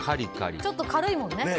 ちょっと軽いもんね。